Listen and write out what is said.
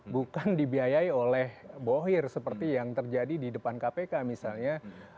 bukan dibiayai oleh bohir seperti yang terjadi di depan kpk misalnya